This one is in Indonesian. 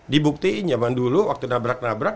dibuktiin zaman dulu waktu nabrak nabrak